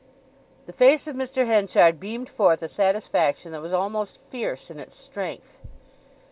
The face of Mr. Henchard beamed forth a satisfaction that was almost fierce in its strength.